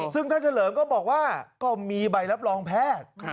ซึ่งท่านเฉลิมก็บอกว่าก็มีใบรับรองแพทย์